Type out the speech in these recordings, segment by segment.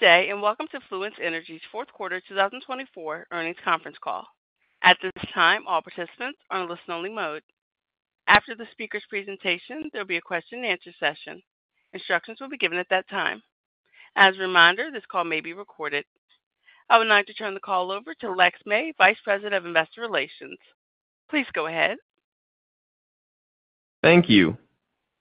Good day, and welcome to Fluence Energy's Fourth Quarter 2024 Earnings Conference Call. At this time, all participants are in listen-only mode. After the speaker's presentation, there will be a question-and-answer session. Instructions will be given at that time. As a reminder, this call may be recorded. I would like to turn the call over to Lex May, Vice President of Investor Relations. Please go ahead. Thank you.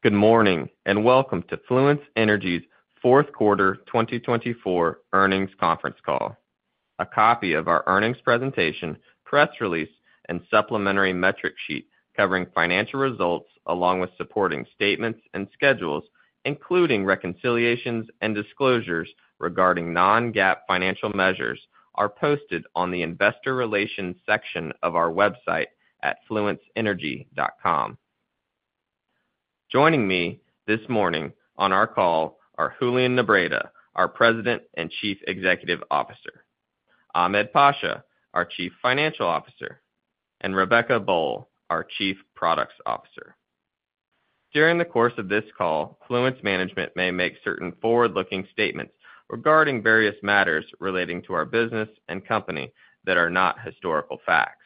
Good morning, and welcome to Fluence Energy's Fourth Quarter 2024 Earnings Conference Call. A copy of our earnings presentation, press release, and supplementary metric sheet covering financial results, along with supporting statements and schedules, including reconciliations and disclosures regarding non-GAAP financial measures, are posted on the Investor Relations section of our website at fluenceenergy.com. Joining me this morning on our call are Julian Nebreda, our President and Chief Executive Officer, Ahmed Pasha, our Chief Financial Officer, and Rebecca Boll, our Chief Products Officer. During the course of this call, Fluence Management may make certain forward-looking statements regarding various matters relating to our business and company that are not historical facts.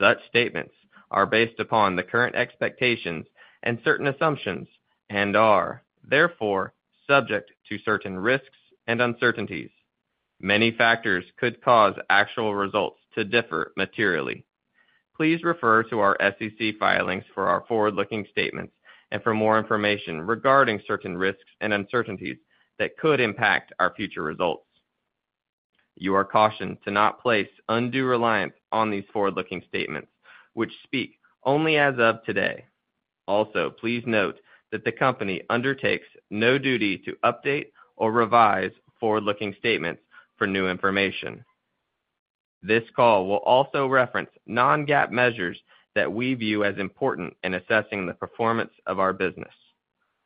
Such statements are based upon the current expectations and certain assumptions and are, therefore, subject to certain risks and uncertainties. Many factors could cause actual results to differ materially. Please refer to our SEC filings for our forward-looking statements and for more information regarding certain risks and uncertainties that could impact our future results. You are cautioned to not place undue reliance on these forward-looking statements, which speak only as of today. Also, please note that the company undertakes no duty to update or revise forward-looking statements for new information. This call will also reference non-GAAP measures that we view as important in assessing the performance of our business.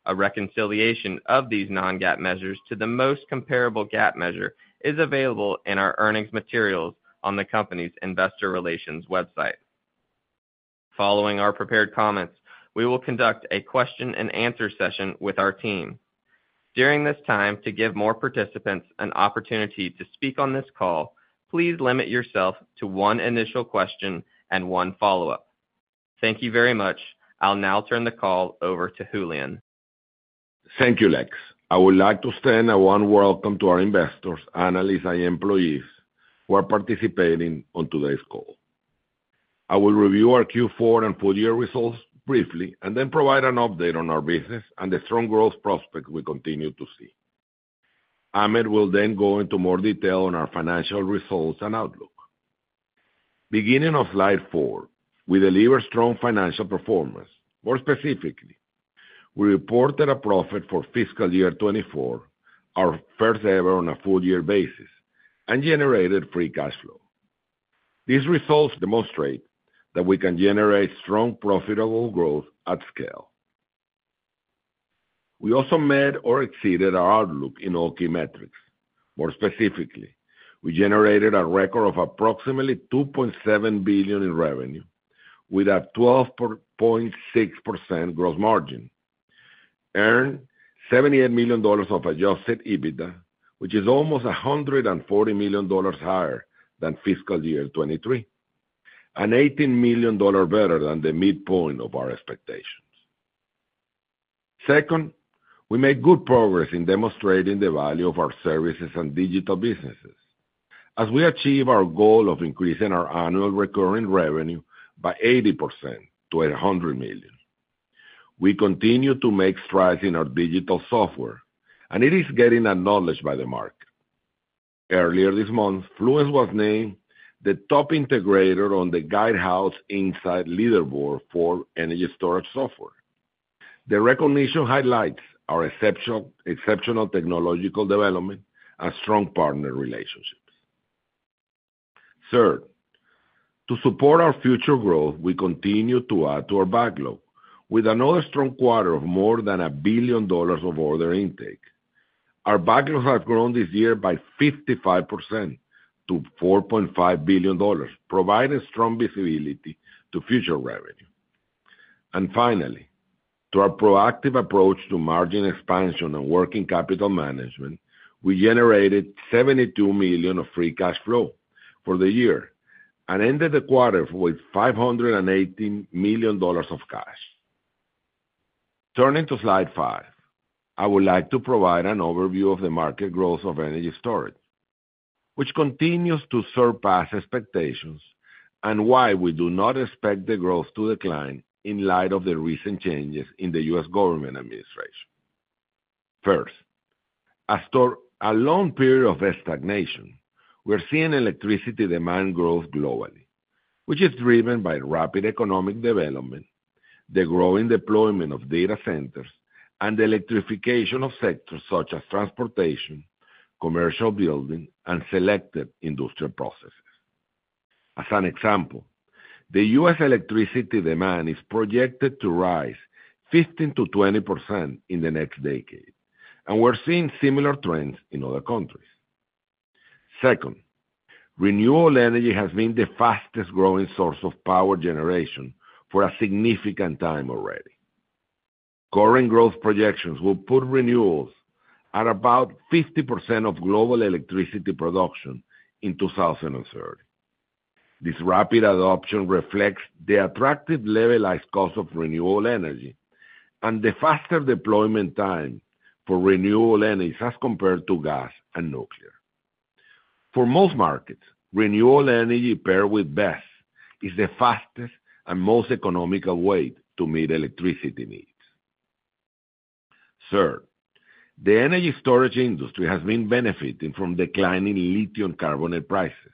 A reconciliation of these non-GAAP measures to the most comparable GAAP measure is available in our earnings materials on the company's Investor Relations website. Following our prepared comments, we will conduct a question-and-answer session with our team. During this time, to give more participants an opportunity to speak on this call, please limit yourself to one initial question and one follow-up. Thank you very much. I'll now turn the call over to Julian. Thank you, Lex. I would like to extend a warm welcome to our investors, analysts, and employees who are participating on today's call. I will review our Q4 and full-year results briefly and then provide an update on our business and the strong growth prospects we continue to see. Ahmed will then go into more detail on our financial results and outlook. Beginning of slide four, we deliver strong financial performance. More specifically, we reported a profit for fiscal year 2024, our first ever on a full-year basis, and generated free cash flow. These results demonstrate that we can generate strong, profitable growth at scale. We also met or exceeded our outlook in all key metrics. More specifically, we generated a record of approximately $2.7 billion in revenue with a 12.6% gross margin, earned $78 million of Adjusted EBITDA, which is almost $140 million higher than fiscal year 2023, and $18 million better than the midpoint of our expectations. Second, we made good progress in demonstrating the value of our services and digital businesses as we achieve our goal of increasing our annual recurring revenue by 80% to $100 million. We continue to make strides in our digital software, and it is getting acknowledged by the market. Earlier this month, Fluence was named the top integrator on the Guidehouse Insights Leaderboard for energy storage software. The recognition highlights our exceptional technological development and strong partner relationships. Third, to support our future growth, we continue to add to our backlog with another strong quarter of more than $1 billion of order intake. Our backlog has grown this year by 55% to $4.5 billion, providing strong visibility to future revenue. And finally, through our proactive approach to margin expansion and working capital management, we generated $72 million of free cash flow for the year and ended the quarter with $518 million of cash. Turning to slide five, I would like to provide an overview of the market growth of energy storage, which continues to surpass expectations and why we do not expect the growth to decline in light of the recent changes in the U.S. government administration. First, after a long period of stagnation, we're seeing electricity demand growth globally, which is driven by rapid economic development, the growing deployment of data centers, and the electrification of sectors such as transportation, commercial building, and selective industrial processes. As an example, the U.S. electricity demand is projected to rise 15%-20% in the next decade, and we're seeing similar trends in other countries. Second, renewable energy has been the fastest-growing source of power generation for a significant time already. Current growth projections will put renewables at about 50% of global electricity production in 2030. This rapid adoption reflects the attractive levelized cost of renewable energy and the faster deployment time for renewable energy as compared to gas and nuclear. For most markets, renewable energy, paired with BESS, is the fastest and most economical way to meet electricity needs. Third, the energy storage industry has been benefiting from declining lithium carbonate prices,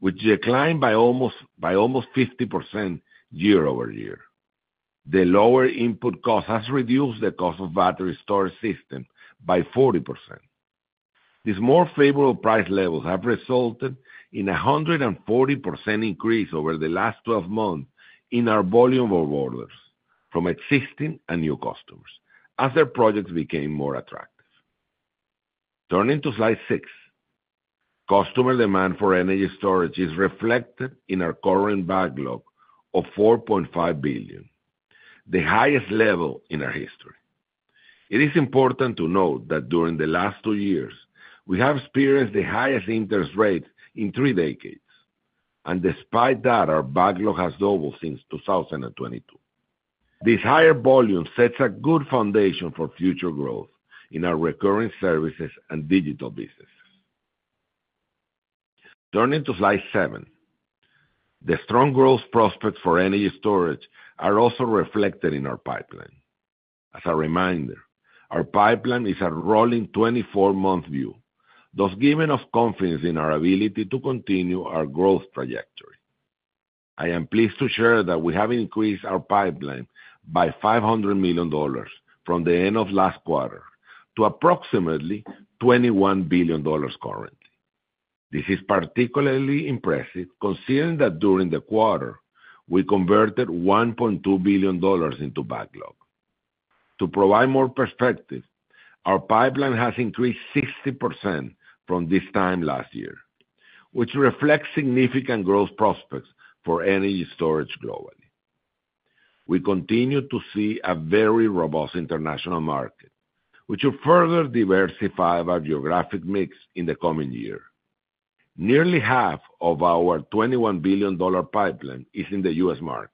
which declined by almost 50% year over year. The lower input cost has reduced the cost of battery storage systems by 40%. These more favorable price levels have resulted in a 140% increase over the last 12 months in our volume of orders from existing and new customers as their projects became more attractive. Turning to slide six, customer demand for energy storage is reflected in our current backlog of $4.5 billion, the highest level in our history. It is important to note that during the last two years, we have experienced the highest interest rates in three decades, and despite that, our backlog has doubled since 2022. This higher volume sets a good foundation for future growth in our recurring services and digital businesses. Turning to slide seven, the strong growth prospects for energy storage are also reflected in our pipeline. As a reminder, our pipeline is a rolling 24-month view, thus giving us confidence in our ability to continue our growth trajectory. I am pleased to share that we have increased our pipeline by $500 million from the end of last quarter to approximately $21 billion currently. This is particularly impressive considering that during the quarter, we converted $1.2 billion into backlog. To provide more perspective, our pipeline has increased 60% from this time last year, which reflects significant growth prospects for energy storage globally. We continue to see a very robust international market, which will further diversify our geographic mix in the coming year. Nearly half of our $21 billion pipeline is in the U.S. market,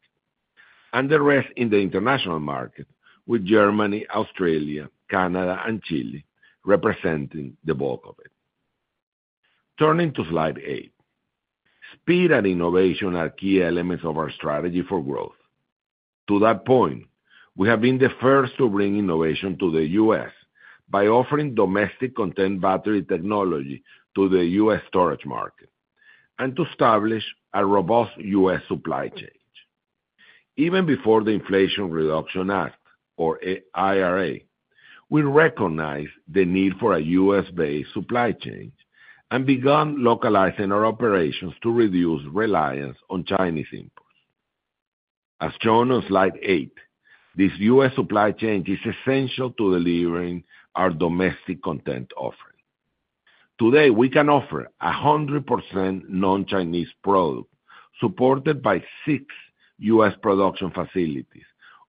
and the rest in the international market, with Germany, Australia, Canada, and Chile representing the bulk of it. Turning to slide eight, speed and innovation are key elements of our strategy for growth. To that point, we have been the first to bring innovation to the U.S. by offering domestic content battery technology to the U.S. storage market and to establish a robust U.S. supply chain. Even before the Inflation Reduction Act, or IRA, we recognized the need for a U.S.-based supply chain and began localizing our operations to reduce reliance on Chinese inputs. As shown on slide eight, this U.S. supply chain is essential to delivering our domestic content offering. Today, we can offer a 100% non-Chinese product supported by six U.S. production facilities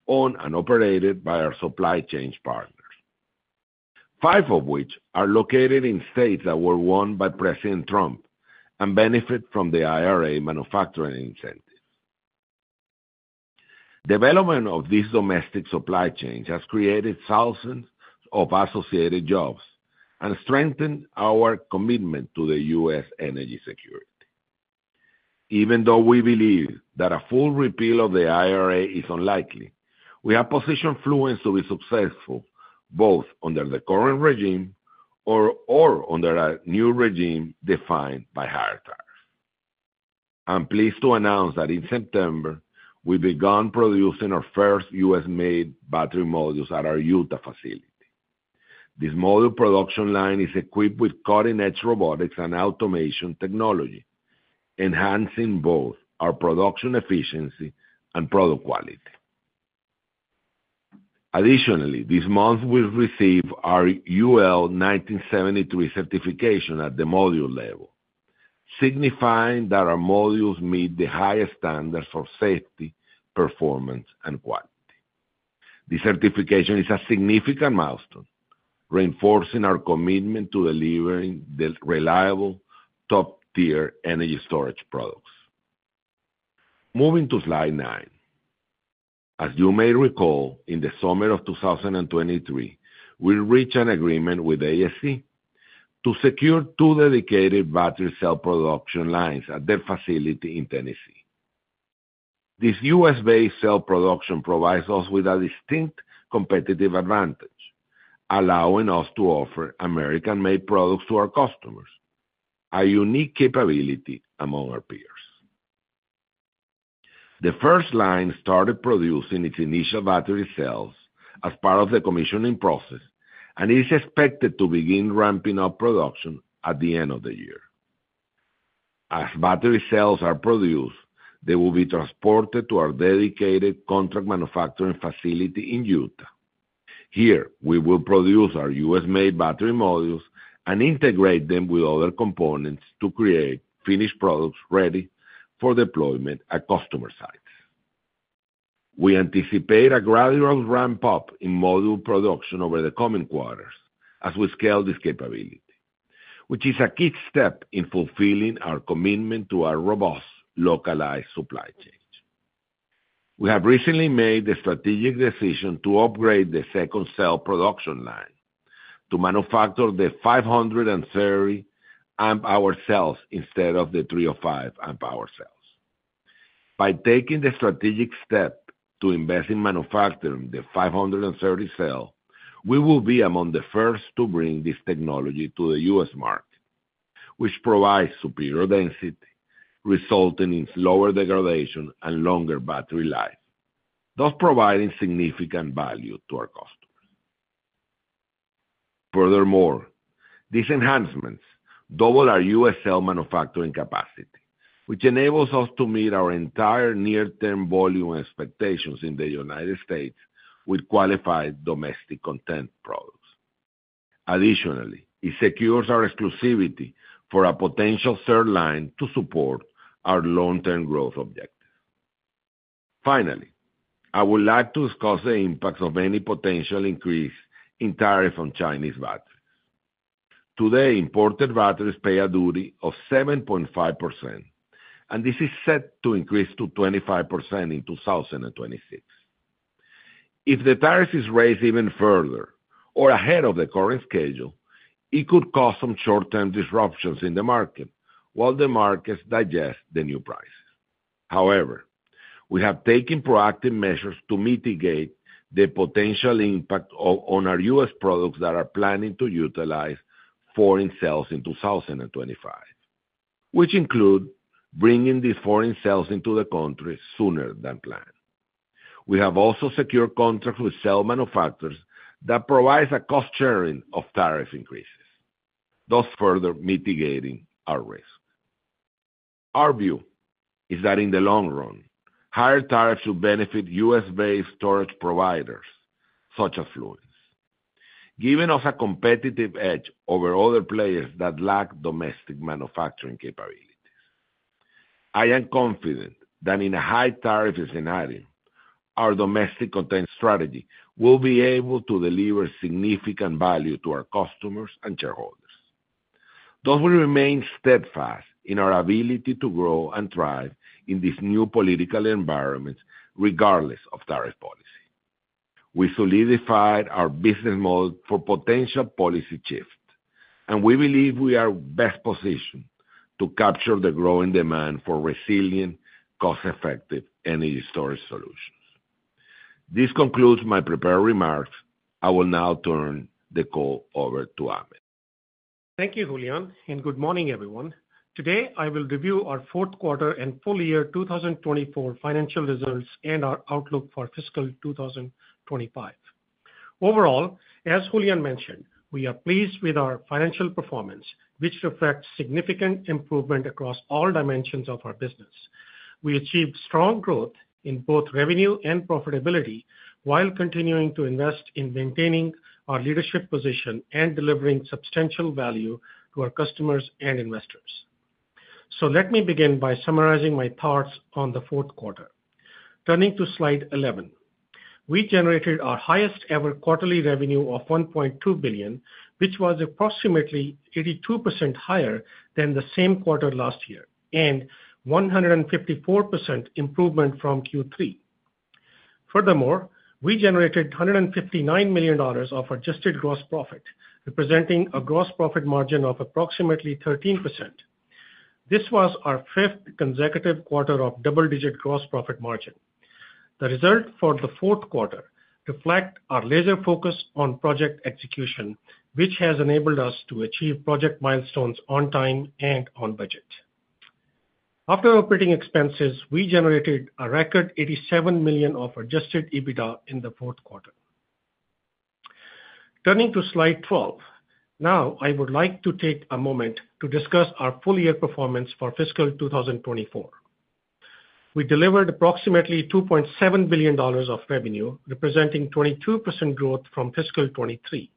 owned and operated by our supply chain partners, five of which are located in states that were won by President Trump and benefit from the IRA manufacturing incentives. Development of this domestic supply chain has created thousands of associated jobs and strengthened our commitment to the U.S. energy security. Even though we believe that a full repeal of the IRA is unlikely, we have positioned Fluence to be successful both under the current regime or under a new regime defined by higher tariffs. I'm pleased to announce that in September, we began producing our first U.S.-made battery modules at our Utah facility. This module production line is equipped with cutting-edge robotics and automation technology, enhancing both our production efficiency and product quality. Additionally, this month, we received our UL 1973 certification at the module level, signifying that our modules meet the highest standards for safety, performance, and quality. This certification is a significant milestone, reinforcing our commitment to delivering reliable top-tier energy storage products. Moving to slide nine, as you may recall, in the summer of 2023, we reached an agreement with AESC to secure two dedicated battery cell production lines at their facility in Tennessee. This U.S.-based cell production provides us with a distinct competitive advantage, allowing us to offer American-made products to our customers, a unique capability among our peers. The first line started producing its initial battery cells as part of the commissioning process, and it is expected to begin ramping up production at the end of the year. As battery cells are produced, they will be transported to our dedicated contract manufacturing facility in Utah. Here, we will produce our U.S.-made battery modules and integrate them with other components to create finished products ready for deployment at customer sites. We anticipate a gradual ramp-up in module production over the coming quarters as we scale this capability, which is a key step in fulfilling our commitment to our robust localized supply chain. We have recently made the strategic decision to upgrade the second cell production line to manufacture the 530 amp-hour cells instead of the 305 amp-hour cells. By taking the strategic step to invest in manufacturing the 530 cell, we will be among the first to bring this technology to the U.S. market, which provides superior density, resulting in slower degradation and longer battery life, thus providing significant value to our customers. Furthermore, these enhancements double our U.S. cell manufacturing capacity, which enables us to meet our entire near-term volume expectations in the United States with qualified domestic content products. Additionally, it secures our exclusivity for a potential third line to support our long-term growth objective. Finally, I would like to discuss the impacts of any potential increase in tariffs on Chinese batteries. Today, imported batteries pay a duty of 7.5%, and this is set to increase to 25% in 2026. If the tariff is raised even further or ahead of the current schedule, it could cause some short-term disruptions in the market while the markets digest the new prices. However, we have taken proactive measures to mitigate the potential impact on our U.S. products that are planning to utilize foreign cells in 2025, which include bringing these foreign cells into the country sooner than planned. We have also secured contracts with cell manufacturers that provide a cost sharing of tariff increases, thus further mitigating our risk. Our view is that in the long run, higher tariffs will benefit U.S.-based storage providers such as Fluence, giving us a competitive edge over other players that lack domestic manufacturing capabilities. I am confident that in a high tariff scenario, our domestic content strategy will be able to deliver significant value to our customers and shareholders, thus we remain steadfast in our ability to grow and thrive in this new political environment regardless of tariff policy. We solidified our business model for potential policy shift, and we believe we are best positioned to capture the growing demand for resilient, cost-effective energy storage solutions. This concludes my prepared remarks. I will now turn the call over to Ahmed. Thank you, Julian, and good morning, everyone. Today, I will review our Fourth Quarter and full year 2024 financial results and our outlook for fiscal 2025. Overall, as Julian mentioned, we are pleased with our financial performance, which reflects significant improvement across all dimensions of our business. We achieved strong growth in both revenue and profitability while continuing to invest in maintaining our leadership position and delivering substantial value to our customers and investors. So let me begin by summarizing my thoughts on the Fourth Quarter. Turning to slide 11, we generated our highest-ever quarterly revenue of $1.2 billion, which was approximately 82% higher than the same quarter last year and 154% improvement from Q3. Furthermore, we generated $159 million of adjusted gross profit, representing a gross profit margin of approximately 13%. This was our fifth consecutive quarter of double-digit gross profit margin. The result for the Fourth Quarter reflects our laser focus on project execution, which has enabled us to achieve project milestones on time and on budget. After operating expenses, we generated a record $87 million of adjusted EBITDA in the Fourth Quarter. Turning to slide 12, now I would like to take a moment to discuss our full year performance for fiscal 2024. We delivered approximately $2.7 billion of revenue, representing 22% growth from fiscal 2023.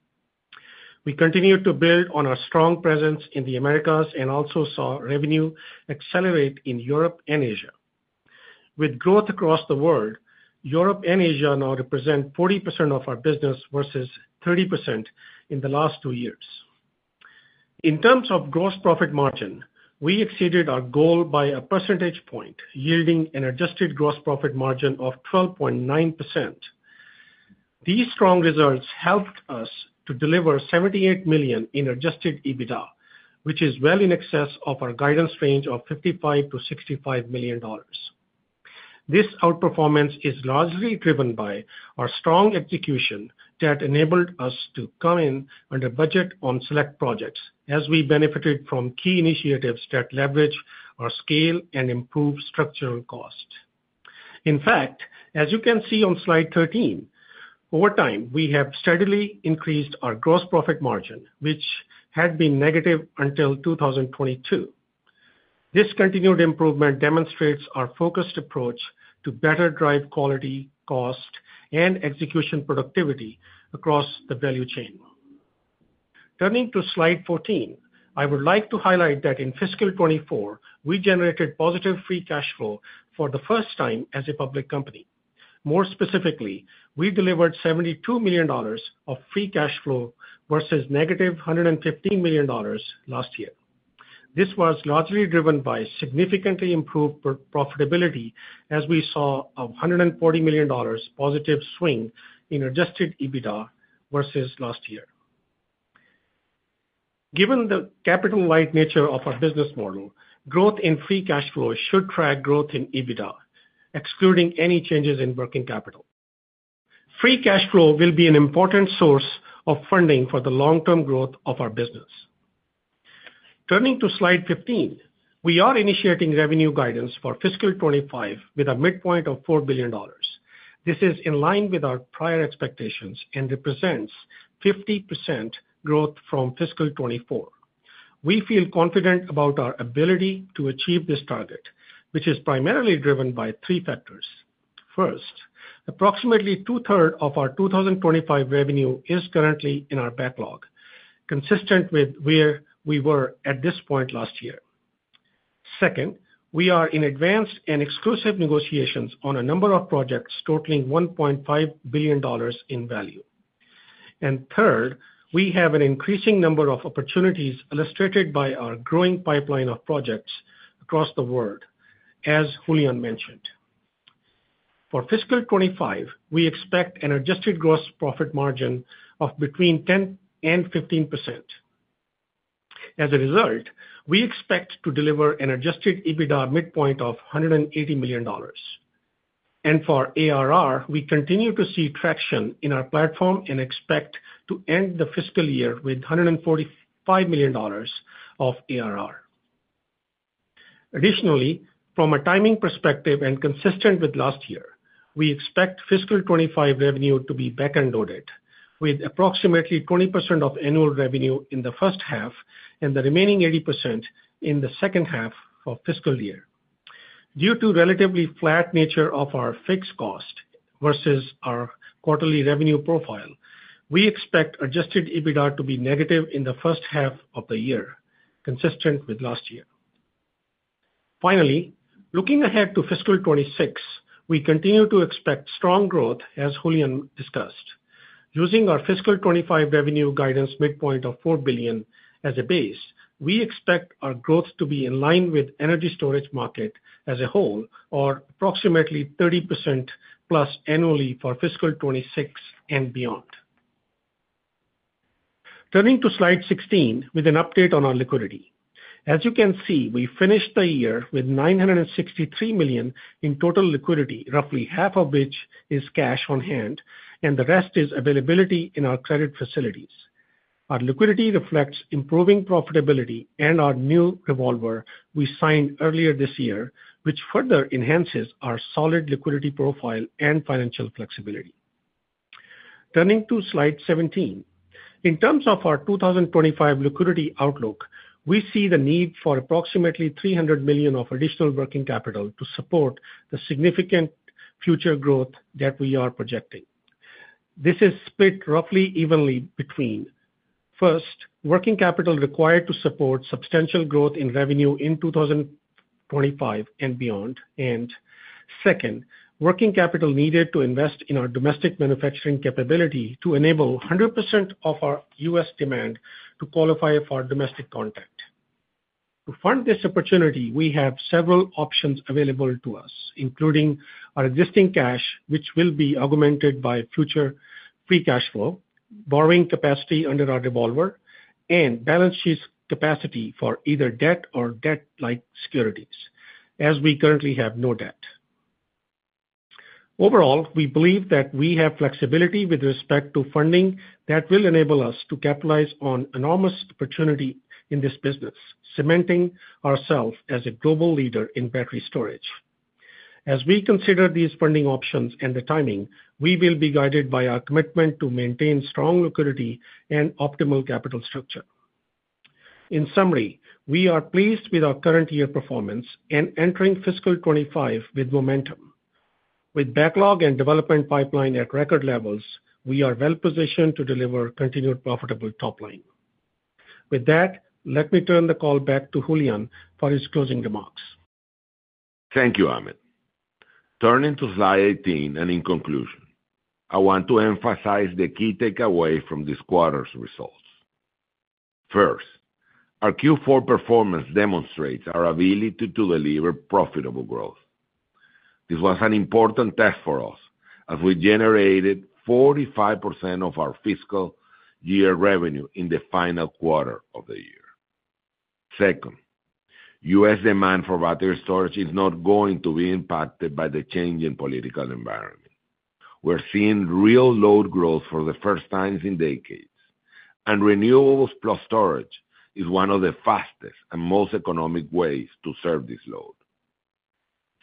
We continued to build on our strong presence in the Americas and also saw revenue accelerate in Europe and Asia. With growth across the world, Europe and Asia now represent 40% of our business versus 30% in the last two years. In terms of gross profit margin, we exceeded our goal by a percentage point, yielding an adjusted gross profit margin of 12.9%. These strong results helped us to deliver $78 million in Adjusted EBITDA, which is well in excess of our guidance range of $55-$65 million. This outperformance is largely driven by our strong execution that enabled us to come in under budget on select projects, as we benefited from key initiatives that leverage our scale and improve structural cost. In fact, as you can see on slide 13, over time, we have steadily increased our gross profit margin, which had been negative until 2022. This continued improvement demonstrates our focused approach to better drive quality, cost, and execution productivity across the value chain. Turning to slide 14, I would like to highlight that in fiscal 2024, we generated positive free cash flow for the first time as a public company. More specifically, we delivered $72 million of free cash flow versus negative $115 million last year. This was largely driven by significantly improved profitability, as we saw a $140 million positive swing in adjusted EBITDA versus last year. Given the capital-intensive nature of our business model, growth in free cash flow should track growth in EBITDA, excluding any changes in working capital. Free cash flow will be an important source of funding for the long-term growth of our business. Turning to slide 15, we are initiating revenue guidance for fiscal 25 with a midpoint of $4 billion. This is in line with our prior expectations and represents 50% growth from fiscal 24. We feel confident about our ability to achieve this target, which is primarily driven by three factors. First, approximately two-thirds of our 2025 revenue is currently in our backlog, consistent with where we were at this point last year. Second, we are in advanced and exclusive negotiations on a number of projects totaling $1.5 billion in value. Third, we have an increasing number of opportunities illustrated by our growing pipeline of projects across the world, as Julian mentioned. For fiscal 2025, we expect an adjusted gross profit margin of between 10% and 15%. As a result, we expect to deliver an adjusted EBITDA midpoint of $180 million. And for ARR, we continue to see traction in our platform and expect to end the fiscal year with $145 million of ARR. Additionally, from a timing perspective and consistent with last year, we expect fiscal 2025 revenue to be back-end loaded with approximately 20% of annual revenue in the first half and the remaining 80% in the second half of fiscal year. Due to the relatively flat nature of our fixed cost versus our quarterly revenue profile, we expect adjusted EBITDA to be negative in the first half of the year, consistent with last year. Finally, looking ahead to fiscal 26, we continue to expect strong growth, as Julian discussed. Using our fiscal 25 revenue guidance midpoint of $4 billion as a base, we expect our growth to be in line with the energy storage market as a whole, or approximately 30% plus annually for fiscal 26 and beyond. Turning to slide 16 with an update on our liquidity. As you can see, we finished the year with $963 million in total liquidity, roughly half of which is cash on hand, and the rest is availability in our credit facilities. Our liquidity reflects improving profitability and our new revolver we signed earlier this year, which further enhances our solid liquidity profile and financial flexibility. Turning to slide 17, in terms of our 2025 liquidity outlook, we see the need for approximately $300 million of additional working capital to support the significant future growth that we are projecting. This is split roughly evenly between first, working capital required to support substantial growth in revenue in 2025 and beyond, and second, working capital needed to invest in our domestic manufacturing capability to enable 100% of our U.S. demand to qualify for domestic content. To fund this opportunity, we have several options available to us, including our existing cash, which will be augmented by future free cash flow, borrowing capacity under our revolver, and balance sheet capacity for either debt or debt-like securities, as we currently have no debt. Overall, we believe that we have flexibility with respect to funding that will enable us to capitalize on enormous opportunity in this business, cementing ourselves as a global leader in battery storage. As we consider these funding options and the timing, we will be guided by our commitment to maintain strong liquidity and optimal capital structure. In summary, we are pleased with our current year performance and entering fiscal 25 with momentum. With backlog and development pipeline at record levels, we are well positioned to deliver continued profitable top line. With that, let me turn the call back to Julian for his closing remarks. Thank you, Ahmed. Turning to slide 18 and in conclusion, I want to emphasize the key takeaway from this quarter's results. First, our Q4 performance demonstrates our ability to deliver profitable growth. This was an important test for us as we generated 45% of our fiscal year revenue in the final quarter of the year. Second, U.S. demand for battery storage is not going to be impacted by the changing political environment. We're seeing real load growth for the first time in decades, and renewables plus storage is one of the fastest and most economic ways to serve this load.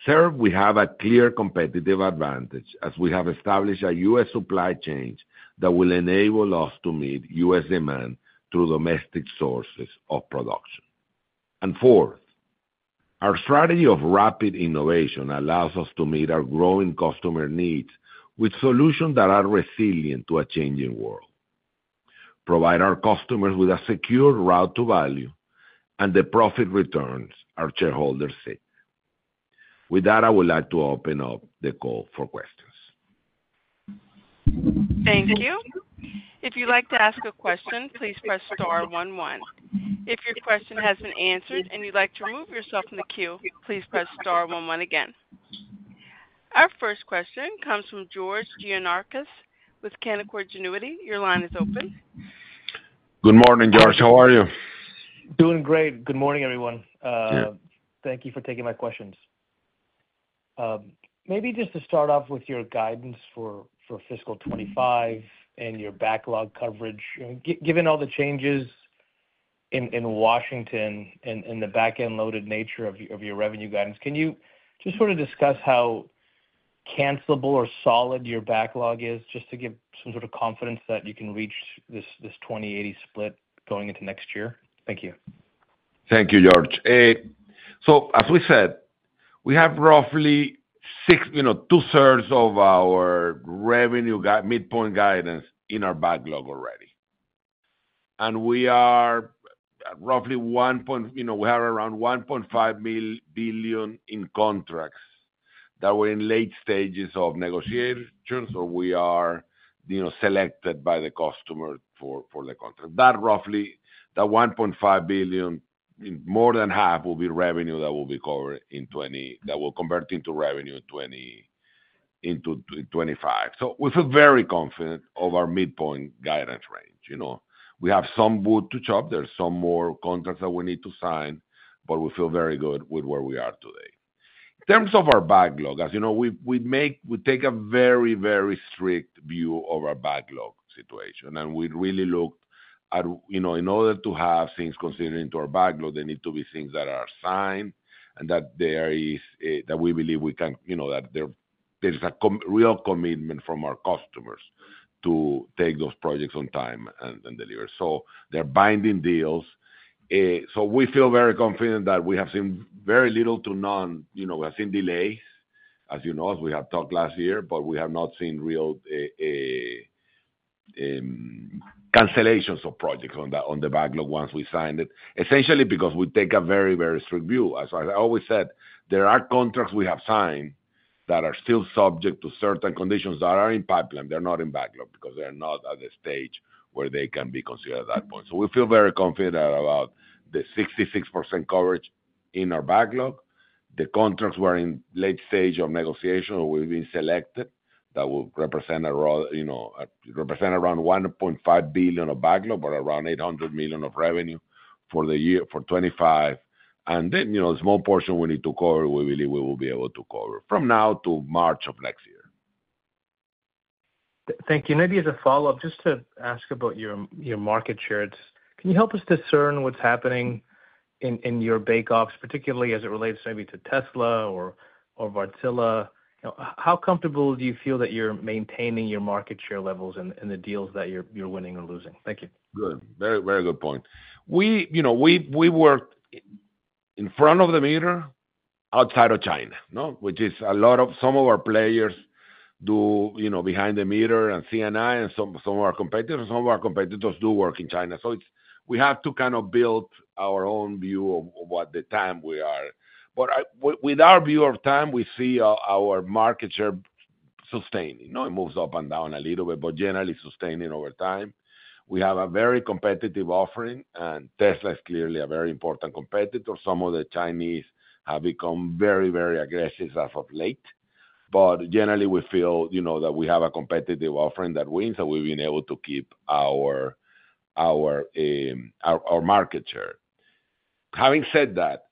Third, we have a clear competitive advantage as we have established a U.S. supply chain that will enable us to meet U.S. demand through domestic sources of production. And fourth, our strategy of rapid innovation allows us to meet our growing customer needs with solutions that are resilient to a changing world, provide our customers with a secure route to value, and the profit returns our shareholders seek. With that, I would like to open up the call for questions. Thank you. If you'd like to ask a question, please press star 11. If your question has been answered and you'd like to remove yourself from the queue, please press star 11 again. Our first question comes from George Gianarikas with Canaccord Genuity. Your line is open. Good morning, George. How are you? Doing great. Good morning, everyone. Thank you for taking my questions. Maybe just to start off with your guidance for fiscal 2025 and your backlog coverage. Given all the changes in Washington and the back-end loaded nature of your revenue guidance, can you just sort of discuss how cancelable or solid your backlog is just to give some sort of confidence that you can reach this 20-80 split going into next year? Thank you. Thank you, George. So as we said, we have roughly two-thirds of our revenue midpoint guidance in our backlog already. We are roughly at a point we have around $1.5 billion in contracts that are in late stages of negotiations, or we are selected by the customer for the contract. That, roughly, $1.5 billion, more than half will be revenue that will convert into revenue in 2025. So we feel very confident of our midpoint guidance range. We have some wood to chop. There's some more contracts that we need to sign, but we feel very good with where we are today. In terms of our backlog, as you know, we take a very, very strict view of our backlog situation. We really looked at in order to have things considered into our backlog. There need to be things that are signed and that we believe there's a real commitment from our customers to take those projects on time and deliver. So they're binding deals. So we feel very confident that we have seen very little to none. We have seen delays, as you know, as we have talked last year, but we have not seen real cancellations of projects on the backlog once we signed it, essentially because we take a very, very strict view. As I always said, there are contracts we have signed that are still subject to certain conditions that are in pipeline. They're not in backlog because they're not at the stage where they can be considered at that point. So we feel very confident about the 66% coverage in our backlog. The contracts were in late stage of negotiation or will be selected that will represent around $1.5 billion of backlog or around $800 million of revenue for the year for 2025. And then a small portion we need to cover, we believe we will be able to cover from now to March of next year. Thank you. Maybe as a follow-up, just to ask about your market shares, can you help us discern what's happening in your bake-offs, particularly as it relates maybe to Tesla or Wärtsilä? How comfortable do you feel that you're maintaining your market share levels in the deals that you're winning or losing? Thank you. Good. Very, very good point. We work in front of the meter outside of China, which is a lot of some of our players do behind the meter and C&I and some of our competitors. Some of our competitors do work in China, so we have to kind of build our own view of what the TAM is. But with our view of TAM, we see our market share sustaining. It moves up and down a little bit, but generally sustaining over time. We have a very competitive offering, and Tesla is clearly a very important competitor. Some of the Chinese have become very, very aggressive as of late, but generally, we feel that we have a competitive offering that wins, and we've been able to keep our market share. Having said that,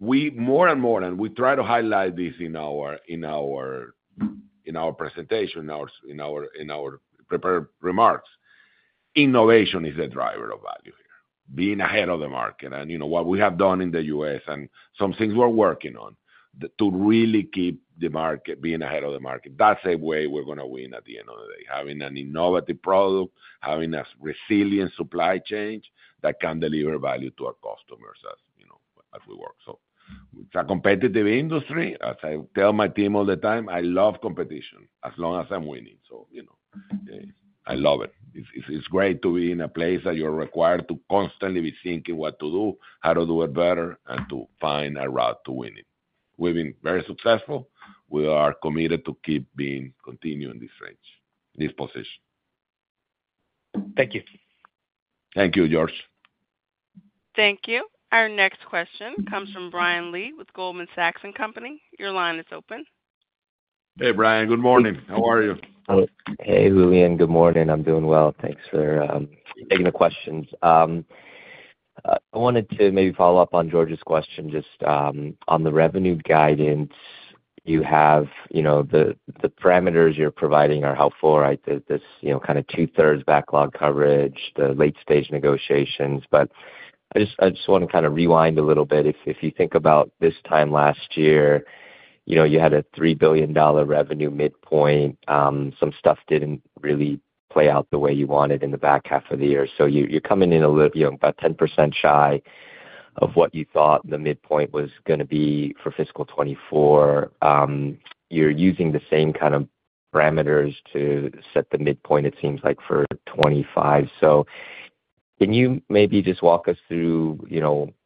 we more and more and we try to highlight this in our presentation, in our prepared remarks. Innovation is the driver of value here, being ahead of the market, and what we have done in the U.S. and some things we're working on to really keep the market being ahead of the market, that's a way we're going to win at the end of the day, having an innovative product, having a resilient supply chain that can deliver value to our customers as we work, so it's a competitive industry. As I tell my team all the time, I love competition as long as I'm winning, so I love it. It's great to be in a place that you're required to constantly be thinking what to do, how to do it better, and to find a route to win it. We've been very successful. We are committed to keep being continuing this range, this position. Thank you. Thank you, George. Thank you, Our next question comes from Brian Lee with Goldman Sachs and Company. Your line is open. Hey, Brian. Good morning. How are you? Hey, Julian. Good morning. I'm doing well. Thanks for taking the questions. I wanted to maybe follow up on George's question just on the revenue guidance you have. The parameters you're providing are helpful, right? This kind of two-thirds backlog coverage, the late-stage negotiations. But I just want to kind of rewind a little bit. If you think about this time last year, you had a $3 billion revenue midpoint. Some stuff didn't really play out the way you wanted in the back half of the year. So you're coming in about 10% shy of what you thought the midpoint was going to be for fiscal 2024. You're using the same kind of parameters to set the midpoint, it seems like, for 2025. So can you maybe just walk us through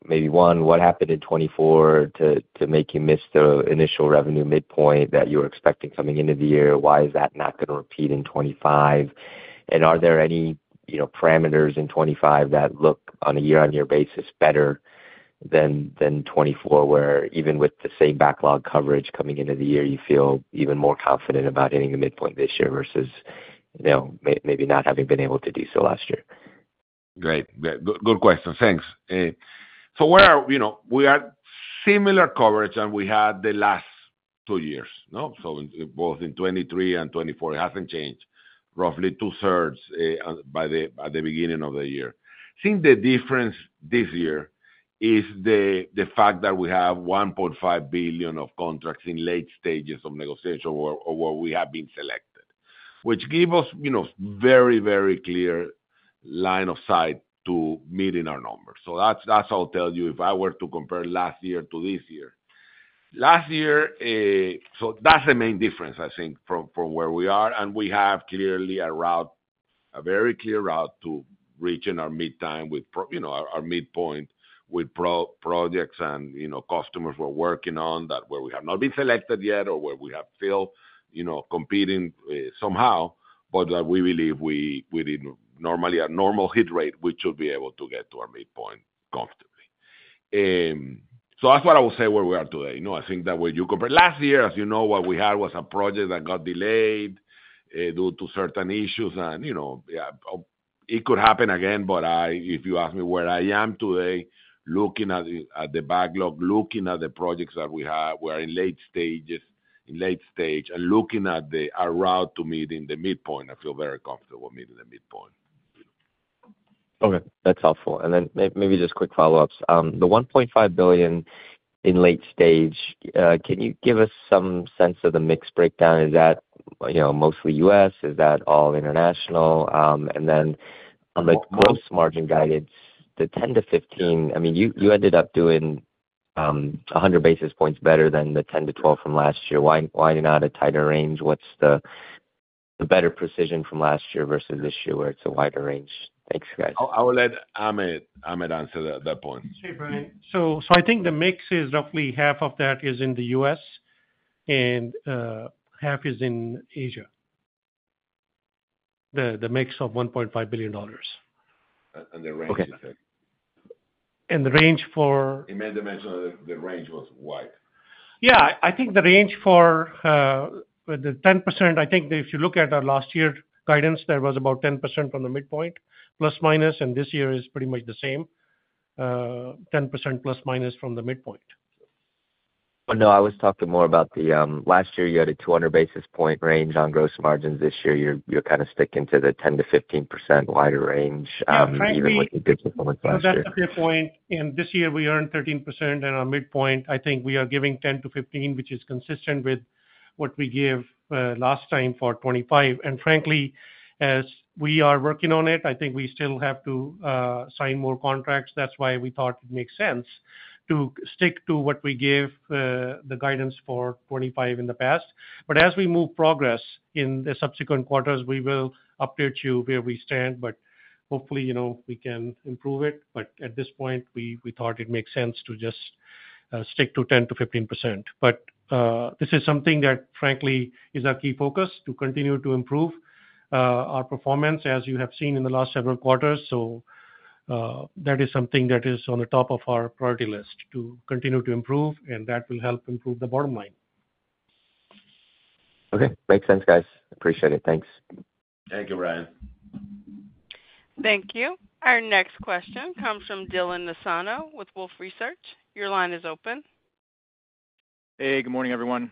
maybe one, what happened in 2024 to make you miss the initial revenue midpoint that you were expecting coming into the year? Why is that not going to repeat in 2025? And are there any parameters in 2025 that look on a year-on-year basis better than 2024, where even with the same backlog coverage coming into the year, you feel even more confident about hitting the midpoint this year versus maybe not having been able to do so last year? Great. Good question. Thanks. So we had similar coverage than we had the last two years. So both in 2023 and 2024, it hasn't changed. Roughly two-thirds by the beginning of the year. I think the difference this year is the fact that we have $1.5 billion of contracts in late stages of negotiation or where we have been selected, which gives us very, very clear line of sight to meeting our numbers. So that's what I'll tell you if I were to compare last year to this year. Last year, so that's the main difference, I think, from where we are. And we have clearly a route, a very clear route to reaching our midpoint with projects and customers we're working on that where we have not been selected yet or where we have still competing somehow, but that we believe with normally a normal hit rate, we should be able to get to our midpoint comfortably. So that's what I will say where we are today. I think that when you compare last year, as you know, what we had was a project that got delayed due to certain issues. And it could happen again, but if you ask me where I am today, looking at the backlog, looking at the projects that we have, we are in late stages and looking at our route to meeting the midpoint, I feel very comfortable meeting the midpoint. Okay. That's helpful. And then maybe just quick follow-ups. The $1.5 billion in late stage, can you give us some sense of the mix breakdown? Is that mostly U.S.? Is that all international? And then on the gross margin guidance, the 10%-15%, I mean, you ended up doing 100 basis points better than the 10%-12% from last year. Why not a tighter range? What's the better precision from last year versus this year where it's a wider range? Thanks, guys. I will let Ahmed answer that point. Okay, Brian. So I think the mix is roughly half of that is in the U.S. and half is in Asia, the mix of $1.5 billion. And the range you said. He meant to mention the range was wide. Yeah. I think the range for the 10%, I think if you look at our last year guidance, there was about 10% from the midpoint, plus minus, and this year is pretty much the same, 10% plus minus from the midpoint. But no, I was talking more about the last year you had a 200 basis points range on gross margins. This year, you're kind of sticking to the 10%-15% wider range, even with the good performance last year. That's a fair point. And this year, we earned 13% in our midpoint. I think we are giving 10%-15%, which is consistent with what we gave last time for 2025. And frankly, as we are working on it, I think we still have to sign more contracts. That's why we thought it makes sense to stick to what we gave the guidance for 2025 in the past. But as we move progress in the subsequent quarters, we will update you where we stand, but hopefully we can improve it. But at this point, we thought it makes sense to just stick to 10%-15%. But this is something that, frankly, is our key focus to continue to improve our performance, as you have seen in the last several quarters. So that is something that is on the top of our priority list to continue to improve, and that will help improve the bottom line. Okay. Makes sense, guys. Appreciate it. Thanks. Thank you, Brian. Thank you. Our next question comes from Dylan Nassano with Wolfe Research. Your line is open. Hey, good morning, everyone.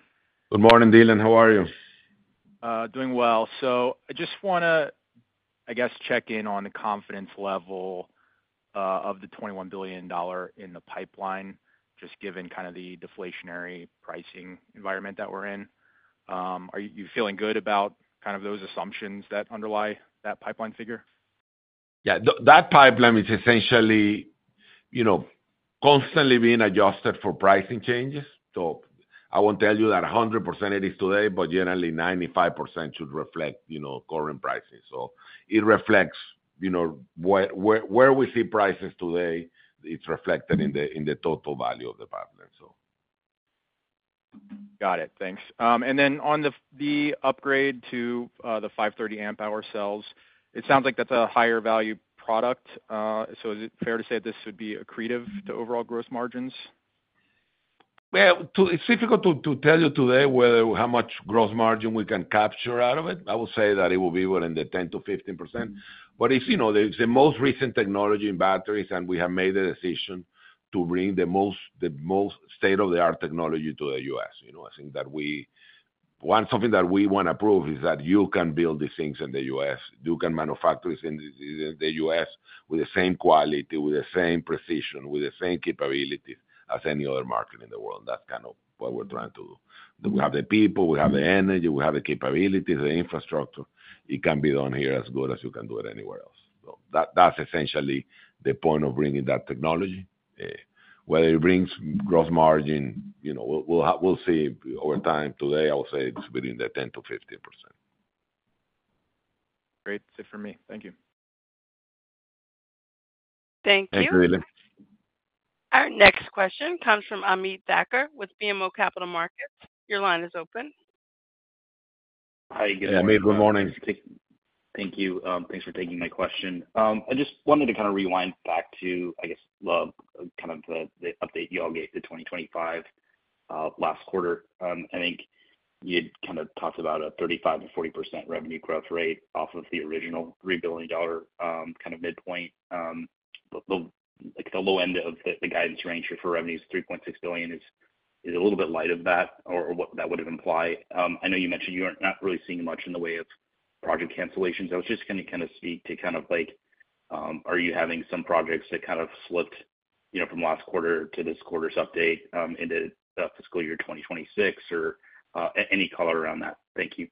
Good morning, Dylan. How are you? Doing well. So I just want to, I guess, check in on the confidence level of the $21 billion in the pipeline, just given kind of the deflationary pricing environment that we're in. Are you feeling good about kind of those assumptions that underlie that pipeline figure? Yeah. That pipeline is essentially constantly being adjusted for pricing changes. So I won't tell you that 100% it is today, but generally 95% should reflect current pricing. So it reflects where we see prices today. It's reflected in the total value of the pipeline, so. Got it. Thanks. And then on the upgrade to the 530 amp-hour cells, it sounds like that's a higher value product. So is it fair to say this would be accretive to overall gross margins? Well, it's difficult to tell you today how much gross margin we can capture out of it. I would say that it will be within the 10%-15%. But it's the most recent technology in batteries, and we have made the decision to bring the most state-of-the-art technology to the U.S. I think that we want something that we want to prove is that you can build these things in the U.S. You can manufacture this in the U.S. with the same quality, with the same precision, with the same capabilities as any other market in the world. That's kind of what we're trying to do. We have the people, we have the energy, we have the capabilities, the infrastructure. It can be done here as good as you can do it anywhere else. So that's essentially the point of bringing that technology. Whether it brings gross margin, we'll see over time. Today, I will say it's within the 10%-15%. Great. Same for me. Thank you. Thank you. Thanks, Julian. Our next question comes from Ameet Thakkar with BMO Capital Markets. Your line is open. Hi, Ameet. Good morning. Thank you. Thanks for taking my question. I just wanted to kind of rewind back to, I guess, kind of the update you all gave the 2025 last quarter. I think you had kind of talked about a 35%-40% revenue growth rate off of the original $3 billion kind of midpoint. The low end of the guidance range for revenues, $3.6 billion, is a little bit light of that or what that would have implied. I know you mentioned you aren't not really seeing much in the way of project cancellations. I was just going to kind of speak to kind of like, are you having some projects that kind of slipped from last quarter to this quarter's update into fiscal year 2026 or any color around that? Thank you.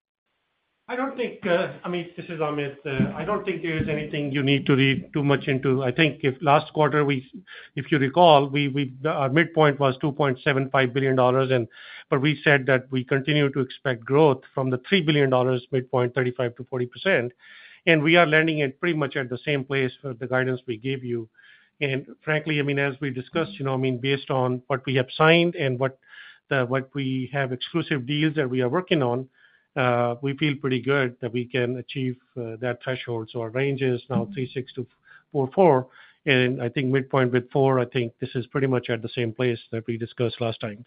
I don't think, Ameet, this is Ahmed. I don't think there is anything you need to read too much into. I think if last quarter, if you recall, our midpoint was $2.75 billion. But we said that we continue to expect growth from the $3 billion midpoint, 35%-40%. And we are landing at pretty much at the same place with the guidance we gave you. Frankly, I mean, as we discussed, I mean, based on what we have signed and what we have exclusive deals that we are working on, we feel pretty good that we can achieve that threshold. Our range is now 36 to 44. I think midpoint with 4, I think this is pretty much at the same place that we discussed last time.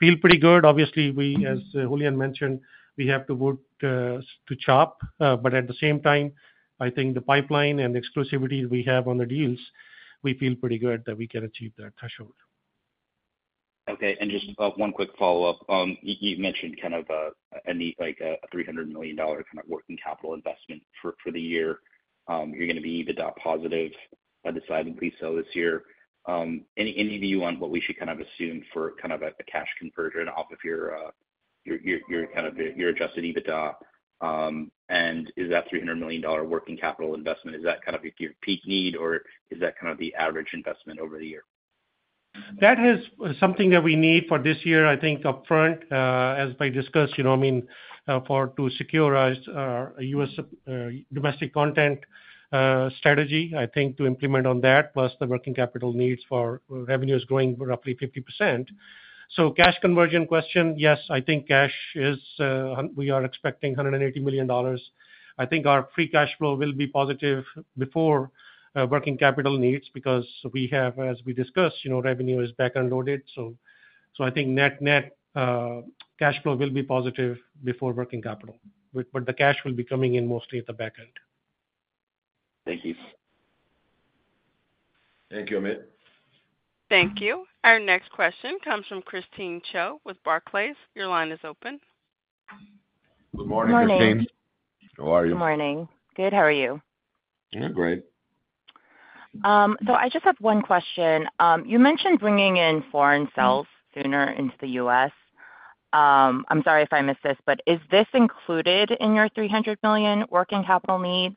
Feel pretty good. Obviously, as Julian mentioned, we have to work to chop. At the same time, I think the pipeline and the exclusivity we have on the deals, we feel pretty good that we can achieve that threshold. Okay. Just one quick follow-up. You mentioned kind of a $300 million kind of working capital investment for the year. You're going to be EBITDA positive. I decided to do so this year. Any view on what we should kind of assume for kind of a cash conversion off of your kind of your Adjusted EBITDA? And is that $300 million working capital investment, is that kind of your peak need, or is that kind of the average investment over the year? That is something that we need for this year, I think, upfront, as we discussed. I mean, to secure our U.S. domestic content strategy, I think to implement on that, plus the working capital needs for revenues growing roughly 50%. So cash conversion question, yes, I think cash is we are expecting $180 million. I think our Free Cash Flow will be positive before working capital needs because we have, as we discussed, revenue is back-loaded. So I think net cash flow will be positive before working capital, but the cash will be coming in mostly at the back end. Thank you. Thank you, Ameet. Thank you. Our next question comes from Christine Cho with Barclays. Your line is open. Good morning, Christine. Good morning. How are you? Good. How are you? I'm doing great. So I just have one question. You mentioned bringing in foreign cells sooner into the U.S. I'm sorry if I missed this, but is this included in your $300 million working capital needs?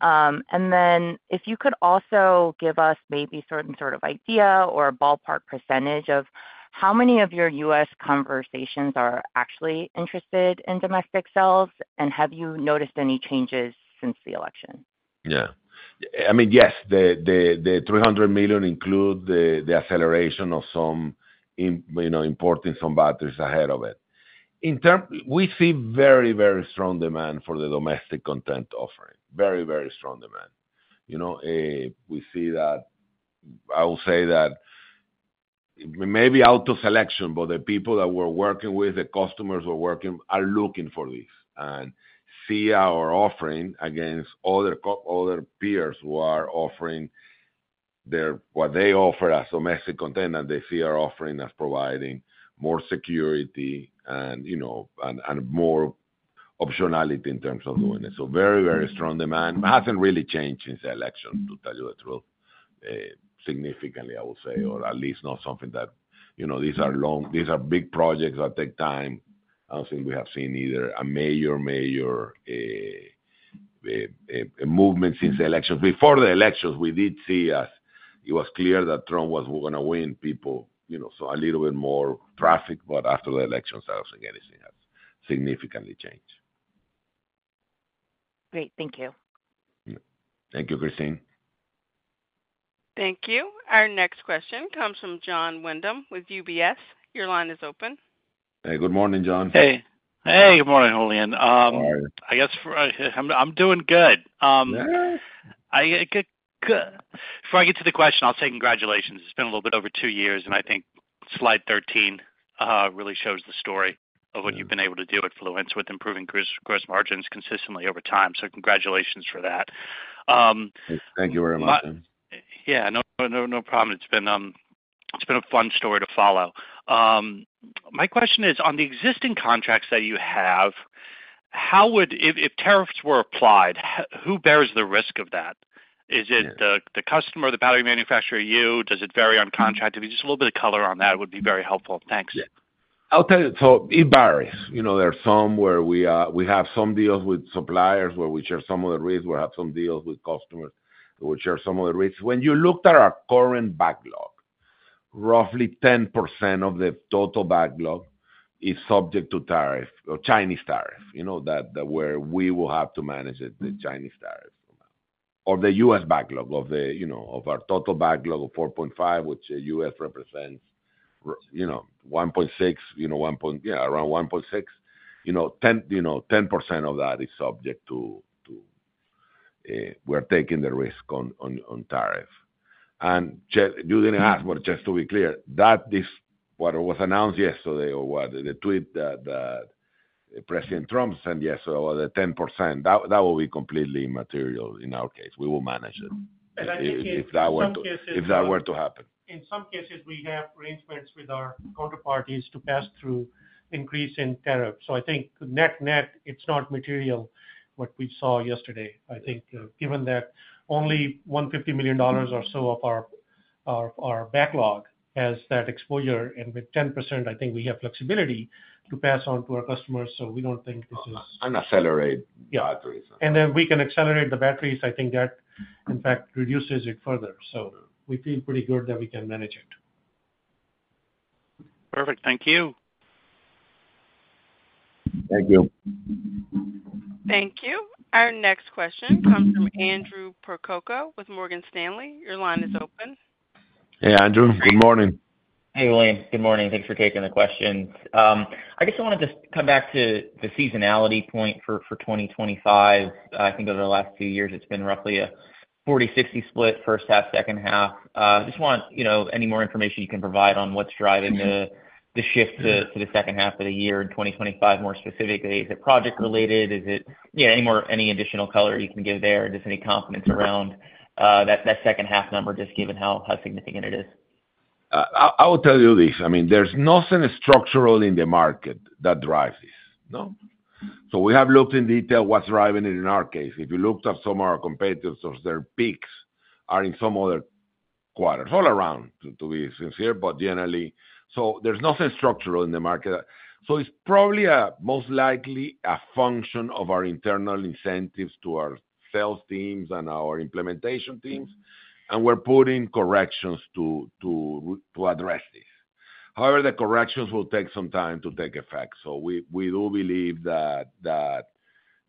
And then if you could also give us maybe sort of an idea or a ballpark percentage of how many of your U.S. conversations are actually interested in domestic cells, and have you noticed any changes since the election? Yeah. I mean, yes, the $300 million include the acceleration of some importing some batteries ahead of it. We see very, very strong demand for the domestic content offering. Very, very strong demand. We see that. I will say that maybe out of selection, but the people that we're working with, the customers we're working with, are looking for this and see our offering against other peers who are offering what they offer as domestic content, and they see our offering as providing more security and more optionality in terms of doing it. So very, very strong demand. It hasn't really changed since the election, to tell you the truth, significantly, I will say, or at least not something that these are big projects that take time. I don't think we have seen either a major, major movement since the election. Before the elections, we did see as it was clear that Trump was going to win people a little bit more traffic, but after the elections, I don't think anything has significantly changed. Great. Thank you. Thank you, Christine. Thank you. Our next question comes from Jon Windham with UBS. Your line is open. Hey, good morning, Jon. Hey. Hey, good morning, Julian. I guess I'm doing good. Before I get to the question, I'll say congratulations. It's been a little bit over two years, and I think slide 13 really shows the story of what you've been able to do at Fluence with improving gross margins consistently over time. So congratulations for that. Thank you very much. Yeah. No problem. It's been a fun story to follow. My question is, on the existing contracts that you have, if tariffs were applied, who bears the risk of that? Is it the customer, the battery manufacturer, you? Does it vary on contract? If you just a little bit of color on that would be very helpful. Thanks. I'll tell you. So it varies. There are some where we have some deals with suppliers where we share some of the risk. We have some deals with customers that we share some of the risk. When you looked at our current backlog, roughly 10% of the total backlog is subject to tariff, Chinese tariff, where we will have to manage the Chinese tariff or the U.S. backlog of our total backlog of $4.5 billion, which the U.S. represents $1.6 billion, around 1.6. 10% of that is subject to, we're taking the risk on tariff. And you didn't ask, but just to be clear, that is what was announced yesterday or what, the tweet that President Trump sent yesterday about the 10%. That will be completely immaterial in our case. We will manage it. In some cases, if that were to happen. In some cases, we have arrangements with our counterparties to pass through increase in tariff. So I think net net, it's not material what we saw yesterday. I think given that only $150 million or so of our backlog has that exposure, and with 10%, I think we have flexibility to pass on to our customers. So we don't think this is. And accelerate batteries. And then we can accelerate the batteries. I think that, in fact, reduces it further. So we feel pretty good that we can manage it. Perfect. Thank you. Thank you. Thank you. Our next question comes from Andrew Percoco with Morgan Stanley. Your line is open. Hey, Andrew. Good morning. Hey, Julian. Good morning. Thanks for taking the question. I guess I want to just come back to the seasonality point for 2025. I think over the last two years, it's been roughly a 40/60 split, first half, second half. I just want any more information you can provide on what's driving the shift to the second half of the year in 2025, more specifically. Is it project-related? Is it any additional color you can give there? Is there any confidence around that second half number, just given how significant it is? I will tell you this. I mean, there's nothing structural in the market that drives this. So we have looked in detail what's driving it in our case. If you looked at some of our competitors, their peaks are in some other quarters, all around, to be sincere, but generally. So there's nothing structural in the market. So it's probably most likely a function of our internal incentives to our sales teams and our implementation teams, and we're putting corrections to address this. However, the corrections will take some time to take effect. So we do believe that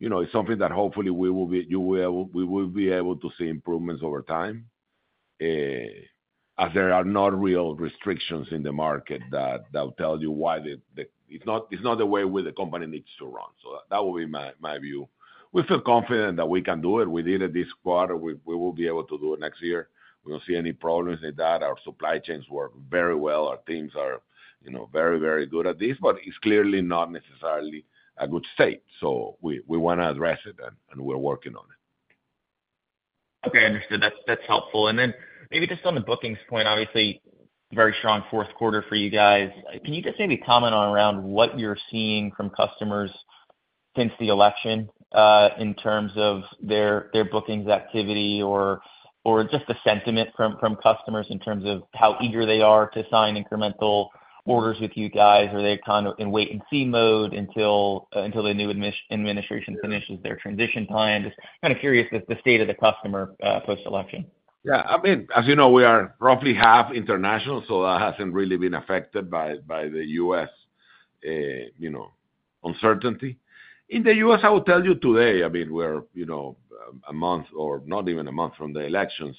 it's something that hopefully we will be able to see improvements over time as there are no real restrictions in the market that will tell you why it's not the way the company needs to run. So that will be my view. We feel confident that we can do it. We did it this quarter. We will be able to do it next year. We don't see any problems with that. Our supply chains work very well. Our teams are very, very good at this, but it's clearly not necessarily a good state. So we want to address it, and we're working on it. Okay. Understood. That's helpful. And then maybe just on the bookings point, obviously, very strong Fourth Quarter for you guys. Can you just maybe comment on around what you're seeing from customers since the election in terms of their bookings activity or just the sentiment from customers in terms of how eager they are to sign incremental orders with you guys? Are they kind of in wait-and-see mode until the new administration finishes their transition plan? Just kind of curious the state of the customer post-election. Yeah. I mean, as you know, we are roughly half international, so that hasn't really been affected by the U.S. uncertainty. In the U.S., I will tell you today, I mean, we're a month or not even a month from the elections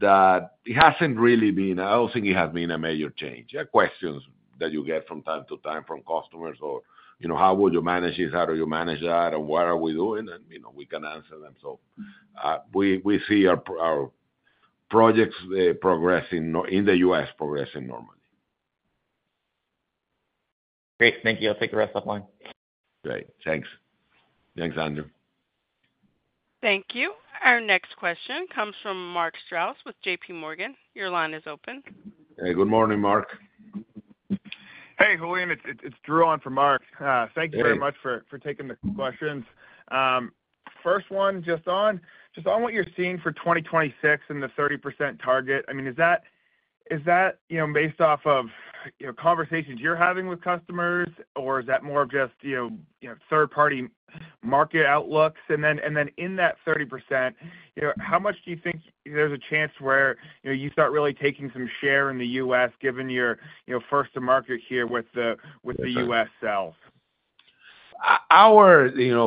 that it hasn't really been I don't think it has been a major change. Questions that you get from time to time from customers or how will you manage this, how do you manage that, and what are we doing? And we can answer them. So we see our projects progressing in the U.S., progressing normally. Great. Thank you. I'll take the rest offline. Great. Thanks. Thanks, Andrew. Thank you. Our next question comes from Mark Strouse with J.P. Morgan. Your line is open. Hey, good morning, Mark. Hey, Julian. It's Drew on for Mark. Thank you very much for taking the questions. First one, just on what you're seeing for 2026 and the 30% target, I mean, is that based off of conversations you're having with customers, or is that more of just third-party market outlooks? And then in that 30%, how much do you think there's a chance where you start really taking some share in the U.S., given your first-to-market here with the U.S. sales? Our view